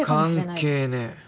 関係ねぇ。